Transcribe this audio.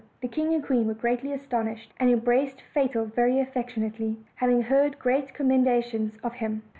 The king and queen were greatly as tonished, and embraced Fatal very affectionately, having heard great commendations of him.